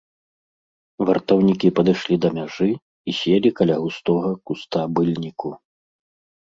Вартаўнікі падышлі да мяжы і селі каля густога куста быльніку.